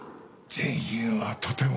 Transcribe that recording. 全員はとても。